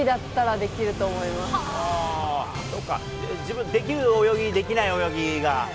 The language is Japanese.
できる泳ぎ、できない泳ぎが。